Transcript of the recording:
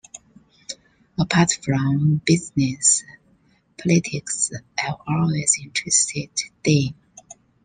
Apart from business, politics have always interested Daim.